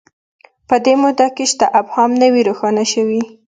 په دې مورد کې شته ابهام نه دی روښانه شوی